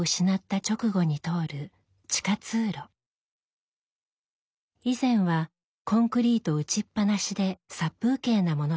以前はコンクリート打ちっ放しで殺風景なものでした。